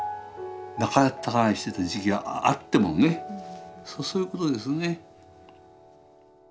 仲たがいしてた時期があってもねそういうことですね。